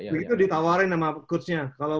begitu ditawarin sama coach nya kalau